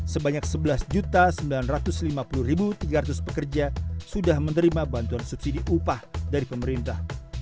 sebanyak sebelas sembilan ratus lima puluh tiga ratus pekerja sudah menerima bantuan subsidi upah dari pemerintah